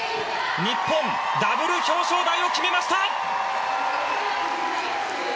日本、ダブル表彰台を決めました！